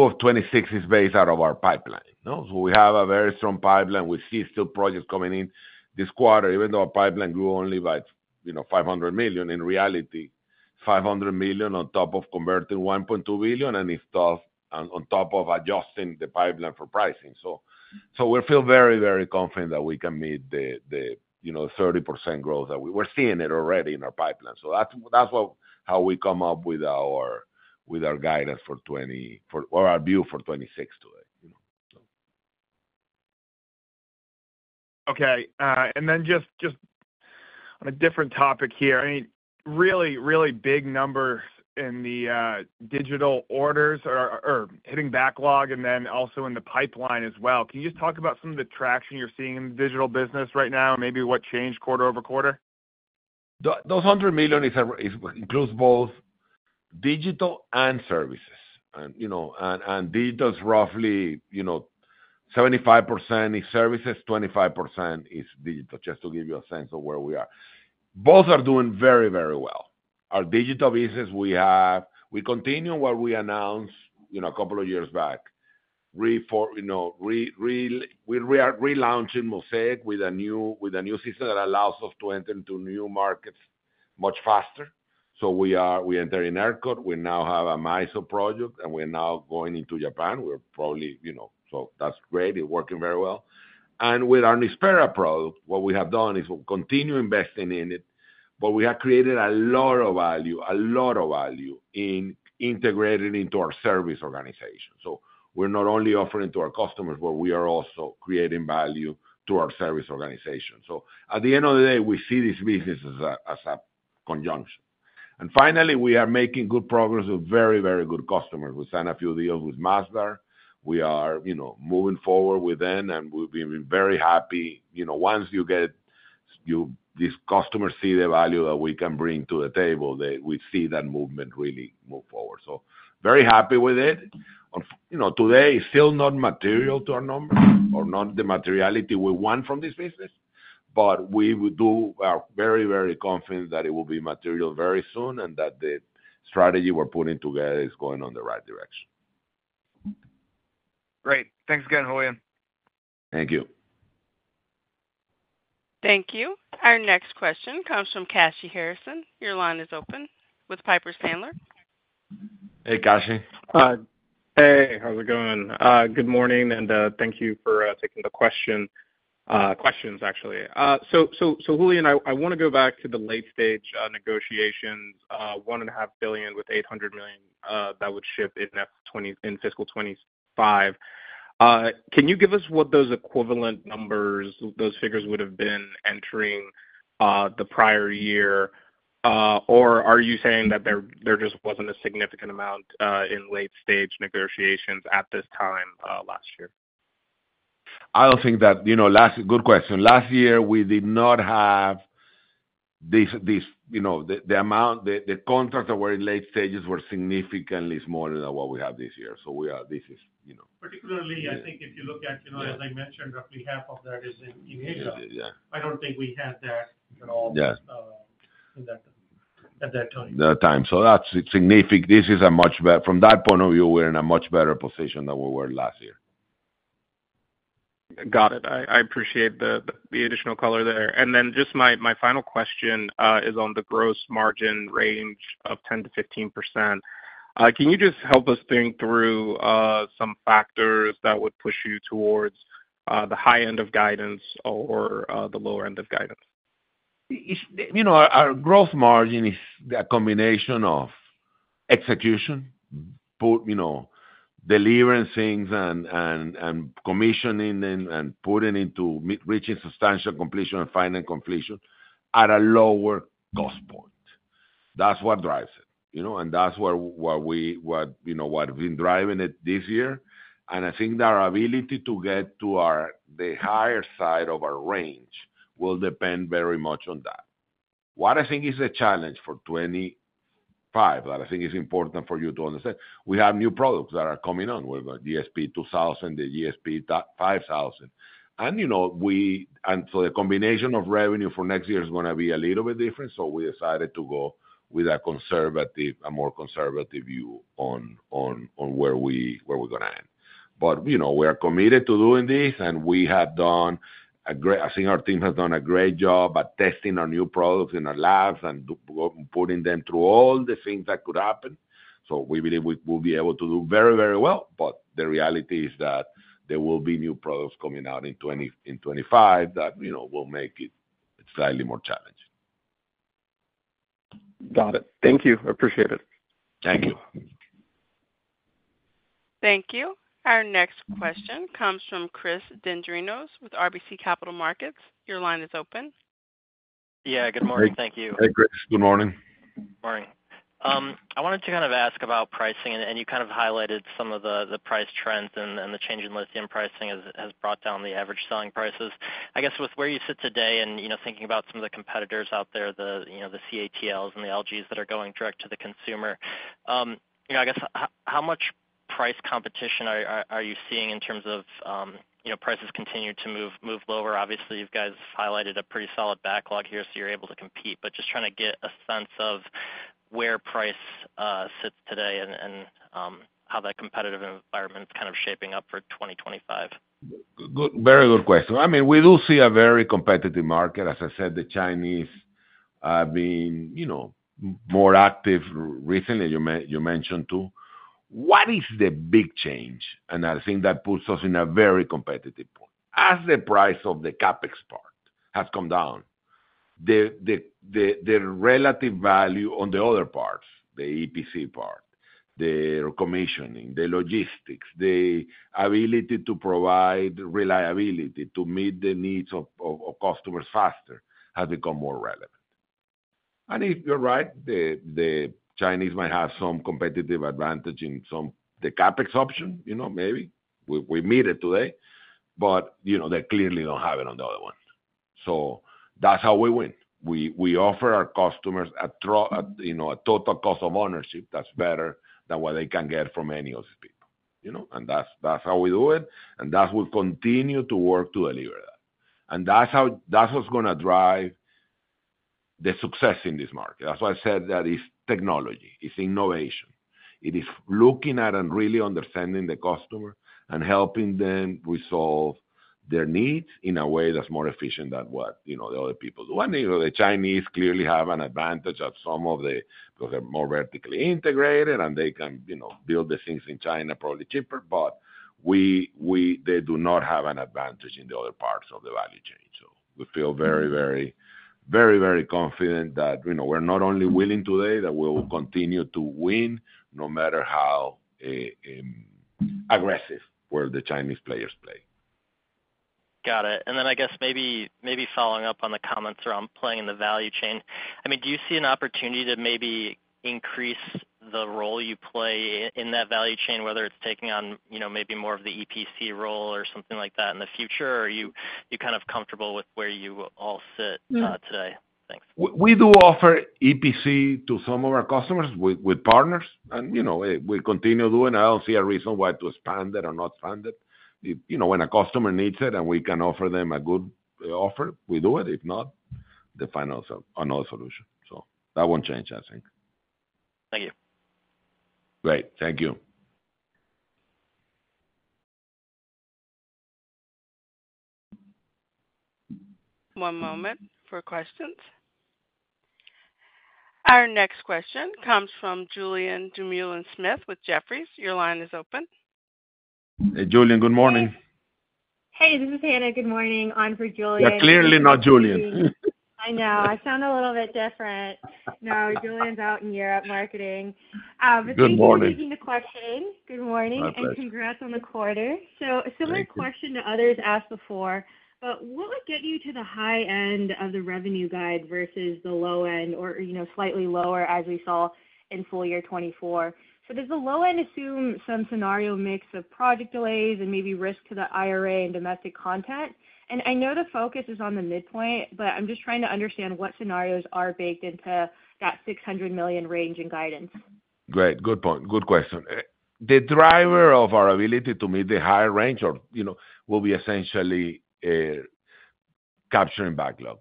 of '26 is based out of our pipeline. So we have a very strong pipeline. We still see projects coming in this quarter, even though our pipeline grew only by $500 million. In reality, $500 million on top of converting $1.2 billion and on top of adjusting the pipeline for pricing. So we feel very, very confident that we can meet the 30% growth that we're seeing already in our pipeline. So that's how we come up with our guidance for 2025 or our view for 2026 today. Okay. And then just on a different topic here, I mean, really, really big numbers in the digital orders or hitting backlog and then also in the pipeline as well. Can you just talk about some of the traction you're seeing in the digital business right now and maybe what changed quarter over quarter? Those $100 million includes both digital and services. And digital is roughly 75% services, 25% digital, just to give you a sense of where we are. Both are doing very, very well. Our digital business, we continue what we announced a couple of years back. We're relaunching Mosaic with a new system that allows us to enter into new markets much faster. So we entered in ERCOT. We now have a MISO project, and we're now going into Japan. We're probably so that's great. It's working very well. And with our Nispera product, what we have done is we'll continue investing in it, but we have created a lot of value, a lot of value integrated into our service organization. So we're not only offering to our customers, but we are also creating value to our service organization. So at the end of the day, we see this business as a conjunction. And finally, we are making good progress with very, very good customers. We signed a few deals with Masdar. We are moving forward with them, and we've been very happy. Once you get these customers see the value that we can bring to the table, we see that movement really move forward. So very happy with it. Today, it's still not material to our number or not the materiality we want from this business, but we are very, very confident that it will be material very soon and that the strategy we're putting together is going in the right direction. Great. Thanks again, Julian. Thank you. Thank you. Our next question comes from Kashy Harrison. Your line is open with Piper Sandler. Hey, Kashy. Hey. How's it going? Good morning, and thank you for taking the questions, actually. So Julian, I want to go back to the late-stage negotiations, $1.5 billion with $800 million that would ship in fiscal 2025. Can you give us what those equivalent numbers, those figures would have been entering the prior year, or are you saying that there just wasn't a significant amount in late-stage negotiations at this time last year? That's a good question. Last year, we did not have the amount. The contracts that were in late stages were significantly smaller than what we have this year. So this is. Particularly, I think if you look at, as I mentioned, roughly half of that is in Asia. I don't think we had that at all at that time. So this is a much better from that point of view, we're in a much better position than we were last year. Got it. I appreciate the additional color there. And then just my final question is on the gross margin range of 10%-15%. Can you just help us think through some factors that would push you towards the high end of guidance or the lower end of guidance? Our gross margin is a combination of execution, delivering things and commissioning and putting into reaching substantial completion and final completion at a lower cost point. That's what drives it. And that's what we've been driving it this year. And I think our ability to get to the higher side of our range will depend very much on that. What I think is a challenge for 2025 that I think is important for you to understand. We have new products that are coming on with the GSP 2000, the GSP 5000. And so the combination of revenue for next year is going to be a little bit different. So we decided to go with a more conservative view on where we're going to end. But we are committed to doing this, and we have done a great, I think our team has done a great job at testing our new products in our labs and putting them through all the things that could happen. So we believe we will be able to do very, very well. But the reality is that there will be new products coming out in 2025 that will make it slightly more challenging. Got it. Thank you. Appreciate it. Thank you. Thank you. Our next question comes from Chris Dendrinos with RBC Capital Markets. Your line is open. Yeah. Good morning. Thank you. Hey, Chris. Good morning. Morning, I wanted to kind of ask about pricing, and you kind of highlighted some of the price trends and the change in lithium pricing has brought down the average selling prices. I guess with where you sit today and thinking about some of the competitors out there, the CATLs and the LGs that are going direct to the consumer, I guess how much price competition are you seeing in terms of prices continue to move lower? Obviously, you guys highlighted a pretty solid backlog here, so you're able to compete, but just trying to get a sense of where price sits today and how that competitive environment is kind of shaping up for 2025. Very good question. I mean, we do see a very competitive market. As I said, the Chinese have been more active recently, you mentioned too. What is the big change? And I think that puts us in a very competitive point. As the price of the CapEx part has come down, the relative value on the other parts, the EPC part, the commissioning, the logistics, the ability to provide reliability to meet the needs of customers faster has become more relevant. And if you're right, the Chinese might have some competitive advantage in some of the CapEx options, maybe. We meet it today, but they clearly don't have it on the other one. So that's how we win. We offer our customers a total cost of ownership that's better than what they can get from any of these people. And that's how we do it. And that's what we'll continue to work to deliver that. And that's what's going to drive the success in this market. That's why I said that it's technology, it's innovation. It is looking at and really understanding the customer and helping them resolve their needs in a way that's more efficient than what the other people do. And the Chinese clearly have an advantage at some of them because they're more vertically integrated, and they can build the things in China probably cheaper, but they do not have an advantage in the other parts of the value chain. So we feel very, very, very, very confident that we're not only winning today, that we will continue to win no matter how aggressively the Chinese players play. Got it, then I guess maybe following up on the comments around playing in the value chain, I mean, do you see an opportunity to maybe increase the role you play in that value chain, whether it's taking on maybe more of the EPC role or something like that in the future, or are you kind of comfortable with where you all sit today? Thanks. We do offer EPC to some of our customers with partners, and we continue doing. I don't see a reason why to expand it or not expand it. When a customer needs it and we can offer them a good offer, we do it. If not, the client is another solution. So that won't change, I think. Thank you. Great. Thank you. One moment for questions. Our next question comes from Julien Dumoulin-Smith with Jefferies. Your line is open. Julian, good morning. Hey, this is Hannah. Good morning. On for Julian. You're clearly not Julian. I know. I sound a little bit different. No, Julien's out in Europe marketing. Good morning. But thank you for taking the question. Good morning. And congrats on the quarter. So a similar question to others asked before, but what would get you to the high end of the revenue guide versus the low end or slightly lower as we saw in full year 2024? So does the low end assume some scenario mix of project delays and maybe risk to the IRA and domestic content? And I know the focus is on the midpoint, but I'm just trying to understand what scenarios are baked into that $600 million range in guidance. Great. Good point. Good question. The driver of our ability to meet the higher range will be essentially capturing backlog.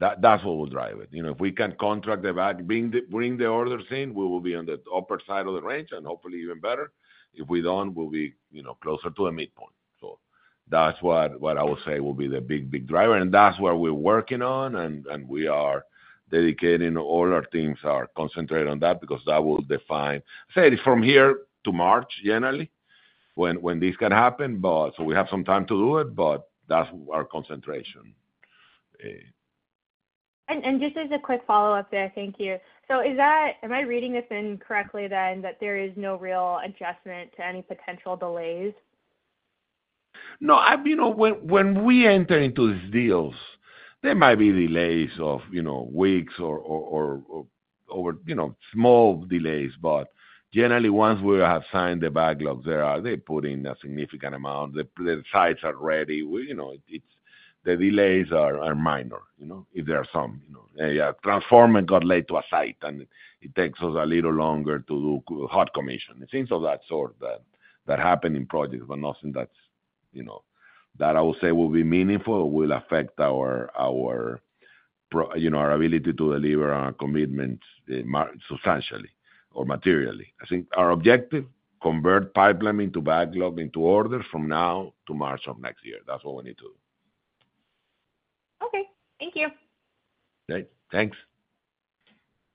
That's what will drive it. If we can contract the backlog, bring the orders in, we will be on the upper side of the range, and hopefully even better. If we don't, we'll be closer to a midpoint. So that's what I would say will be the big, big driver. And that's what we're working on, and we are dedicating all our teams are concentrated on that because that will define, say, from here to March, generally, when this can happen. So we have some time to do it, but that's our concentration. And just as a quick follow-up there, thank you. So am I reading this incorrectly then that there is no real adjustment to any potential delays? No, when we enter into these deals, there might be delays of weeks or over small delays. But generally, once we have signed the backlog, they put in a significant amount. The sites are ready. The delays are minor if there are some. A transformer got late to a site, and it takes us a little longer to do hot commissioning. Things of that sort that happen in projects, but nothing that I would say will be meaningful or will affect our ability to deliver our commitments substantially or materially. I think our objective is to convert pipeline into backlog into orders from now to March of next year. That's what we need to do. Okay. Thank you. Great. Thanks.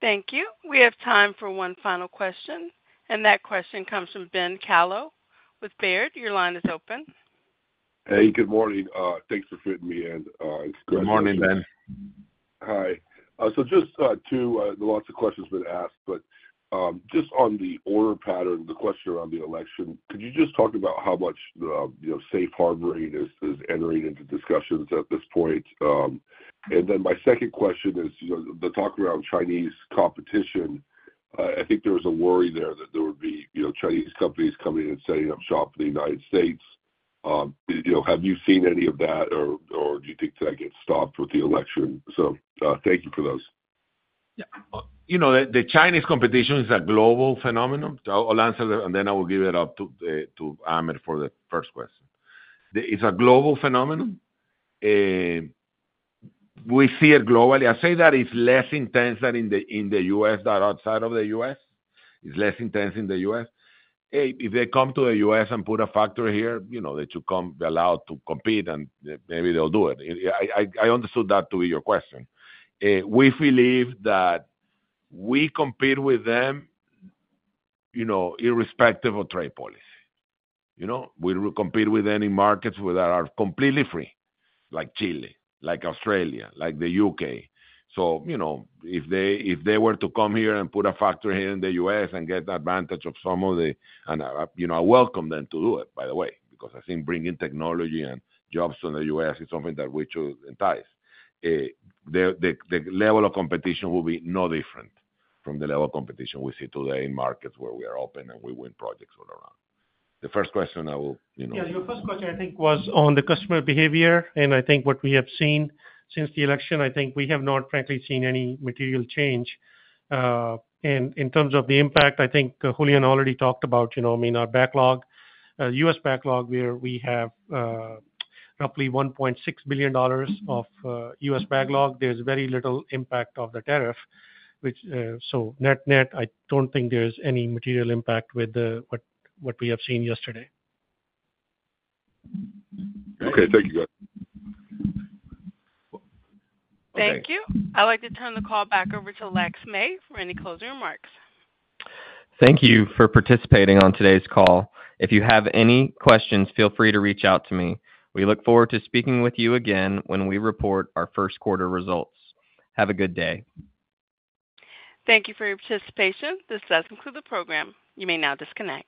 Thank you. We have time for one final question, and that question comes from Ben Kallo with Baird. Your line is open. Hey, good morning. Thanks for fitting me in. It's good to be here. Good morning, Ben. Hi. So, just a lot of questions have been asked, but just on the order pattern, the question around the election, could you just talk about how much safe harboring is entering into discussions at this point? And then my second question is the talk around Chinese competition. I think there was a worry there that there would be Chinese companies coming and setting up shop in the United States. Have you seen any of that, or do you think that gets stopped with the election? So thank you for those. Yeah. The Chinese competition is a global phenomenon. I'll answer that, and then I will give it up to Ahmed for the first question. It's a global phenomenon. We see it globally. I say that it's less intense than in the U.S., that outside of the U.S. It's less intense in the U.S. If they come to the U.S. and put a factory here, they should be allowed to compete, and maybe they'll do it. I understood that to be your question. We believe that we compete with them irrespective of trade policy. We compete with any markets that are completely free, like Chile, like Australia, like the U.K. So if they were to come here and put a factory here in the U.S. and get the advantage of some of the, and I welcome them to do it, by the way, because I think bringing technology and jobs to the U.S. is something that we should entice. The level of competition will be no different from the level of competition we see today in markets where we are open and we win projects all around. Yeah, your first question, I think, was on the customer behavior. I think what we have seen since the election, I think we have not, frankly, seen any material change. In terms of the impact, I think Julian already talked about, I mean, our backlog, U.S. backlog, where we have roughly $1.6 billion of U.S. backlog. There's very little impact of the tariff. So net, I don't think there's any material impact with what we have seen yesterday. Okay. Thank you, guys. Thank you. I'd like to turn the call back over to Lex May for any closing remarks. Thank you for participating on today's call. If you have any questions, feel free to reach out to me. We look forward to speaking with you again when we report our first quarter results. Have a good day. Thank you for your participation. This does conclude the program. You may now disconnect.